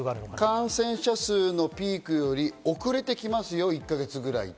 感染者数のピークより遅れてきますよ１か月ぐらい。